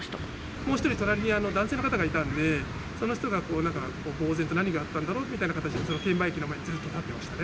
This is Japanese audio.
もう１人、隣に男性の方がいたんで、その方がなんか、ぼう然と、何があったんだろうという感じで、券売機の前でずっと立ってました